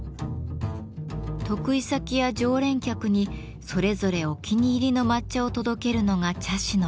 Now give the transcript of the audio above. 得意先や常連客にそれぞれお気に入りの抹茶を届けるのが茶師の役目。